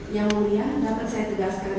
yang mulia dapat saya tegaskan